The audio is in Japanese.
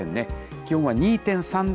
気温は２．３度。